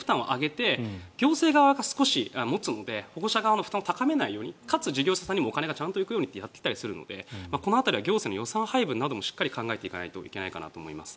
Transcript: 行政が少し持つので保護者側の負担を高めないようにかつ事業者側にもお金が行くようにとやっているのでこの辺りは行政の予算配分などもしっかり考えていかないといけないと思います。